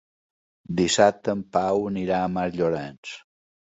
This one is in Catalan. Dissabte en Pau anirà a Masllorenç.